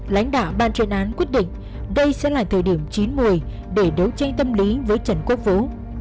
lãnh đạo ban chuyên án quyết định đây sẽ là thời điểm chín một mươi để đấu tranh tâm lý với trần quốc vũ